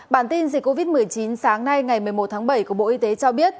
bản tin dịch covid một mươi chín sáng nay ngày một mươi một tháng bảy của bộ y tế cho biết